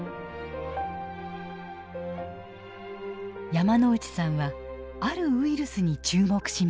山内さんはあるウイルスに注目しました。